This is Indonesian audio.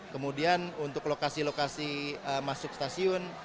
kemudian untuk lokasi lokasi masuk stasiun